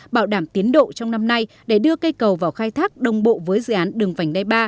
bảo đảm tiến độ trong năm nay để đưa cây cầu vào khai thác đồng bộ với dự án đường vành đai ba